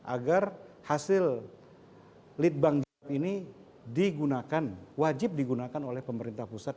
agar hasil lead bank ini digunakan wajib digunakan oleh pemerintah pusat